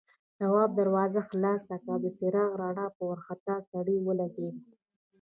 تواب دروازه خلاصه کړه، د څراغ رڼا په وارخطا سړي ولګېده.